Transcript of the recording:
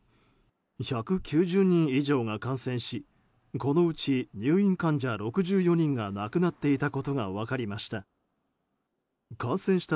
１９０人以上が感染しこのうち入院患者６４人が亡くなっていたことが分かりました。